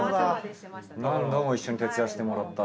何度も一緒に徹夜してもらった。